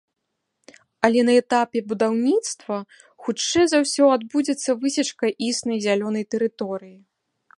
Але на этапе будаўніцтва хутчэй за ўсё адбудзецца высечка існай зялёнай тэрыторый.